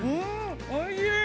おいしい。